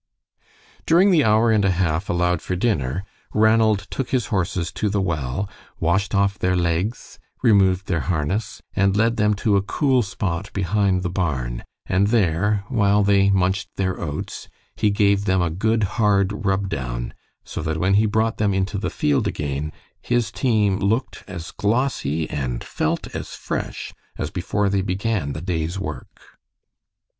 During the hour and a half allowed for dinner, Ranald took his horses to the well, washed off their legs, removed their harness, and led them to a cool spot behind the barn, and there, while they munched their oats, he gave them a good hard rub down, so that when he brought them into the field again, his team looked as glossy and felt as fresh as before they began the day's work.